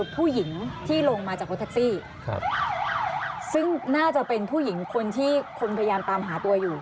ผู้หญิงที่ลงมาจากรถแท็กซี่ซึ่งน่าจะเป็นผู้หญิงคนที่คนพยายามตามหาตัวอยู่